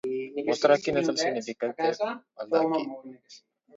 Mostra quin és el significat de baldaquí.